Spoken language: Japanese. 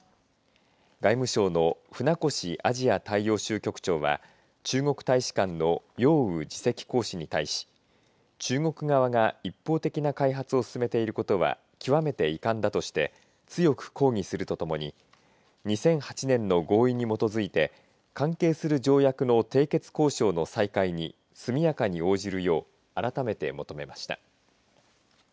外務省の船越アジア大洋州局長は中国大使館の楊宇次席公使に対し中国側が一方的な開発を進めていることは極めて遺憾だとして強く抗議するとともに２００８年の合意に基づいて関係する条約の締結交渉の再開に速やかに応じるよう改めて求めました。